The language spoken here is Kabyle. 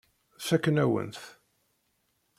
Fakken-awen-t.